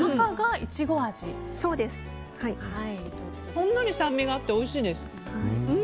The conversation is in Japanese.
ほんのり酸味があっておいしいです。